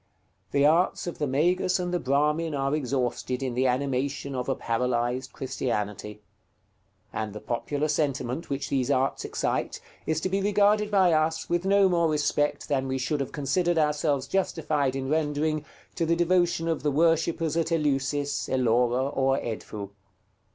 The arts of the Magus and the Brahmin are exhausted in the animation of a paralyzed Christianity; and the popular sentiment which these arts excite is to be regarded by us with no more respect than we should have considered ourselves justified in rendering to the devotion of the worshippers at Eleusis, Ellora, or Edfou.